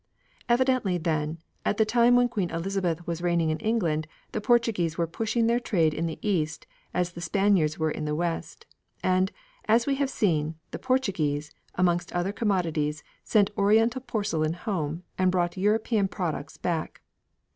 Evidently, then, at the time when Queen Elizabeth was reigning in England the Portuguese were pushing their trade in the East as the Spaniards were in the West, and, as we have seen, the Portuguese, amongst other commodities, sent Oriental porcelain home, and brought European products back.